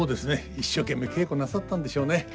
一生懸命稽古なさったんでしょうね。